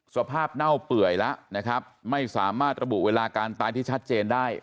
เน่าเปื่อยแล้วนะครับไม่สามารถระบุเวลาการตายที่ชัดเจนได้